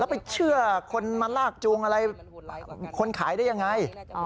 เราไปเชื่อคนมันลากจูงอะไรแล้วคนขายได้ยังไง